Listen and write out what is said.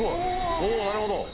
おお、なるほど。